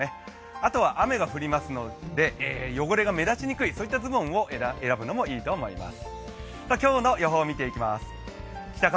あとは雨が降りますので、汚れが目立ちにくいずぼんを選ぶのもいいと思います。